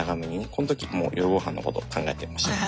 こん時もう夜ごはんのこと考えてましたね。